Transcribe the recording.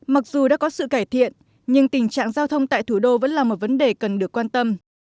mặc dù đã có sự cải thiện nhưng tình trạng giao thông tại thủ đô vẫn là một vấn đề cần được quan tâm